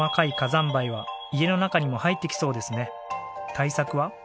対策は？